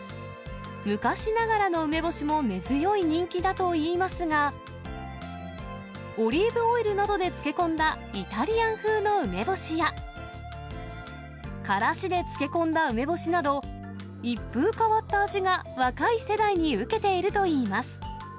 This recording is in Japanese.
昔ながらの梅干しも根強い人気だといいますが、オリーブオイルなどで漬け込んだイタリアン風の梅干しや、からしで漬け込んだ梅干しなど、一風変わった味が若い世代に受けているといいます。